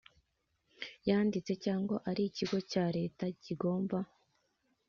Yanditse cyangwa ari ikigo cya leta kigomba